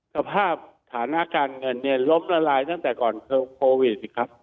สภาพฐานะการเงินเนี่ยลบละลายตั้งแต่ก่อนโควิดสิครับ